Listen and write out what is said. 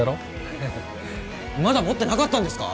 へへへまだ持ってなかったんですか？